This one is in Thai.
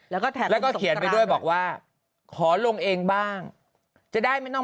แล้วก็เขียนไปด้วยบอกว่าขอลงเองบ้างจะได้ไม่ต้อง